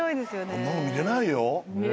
あんなの見れないよ。